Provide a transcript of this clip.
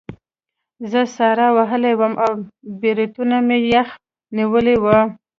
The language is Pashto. زه ساړه وهلی وم او بریتونه مې یخ نیولي وو